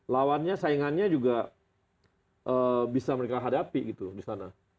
lawannya saingannya juga bisa mereka hadapi gitu loh di sana